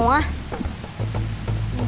bapak bapak semua